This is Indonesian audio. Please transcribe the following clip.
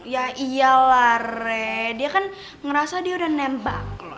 ya iyalah rev dia kan ngerasa dia udah nembak lo